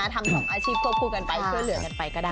ทำ๒อาชีพควบคู่กันไปช่วยเหลือกันไปก็ได้